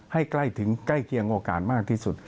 ให้ใกล้ถึงใกล้เคียงโอกาสมากที่สุด